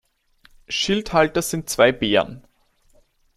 Schildhalter sind zwei Bären.